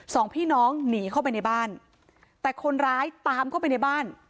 สองพี่น้องหนีเข้าไปในบ้านแต่คนร้ายตามเข้าไปในบ้าน